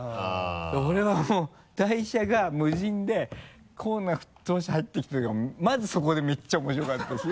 俺はもう台車が無人でコーンを吹っ飛ばして入ってきた時はまずそこでめっちゃ面白かったし。